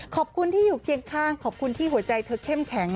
ขอบคุณที่อยู่เคียงข้างขอบคุณที่หัวใจเธอเข้มแข็ง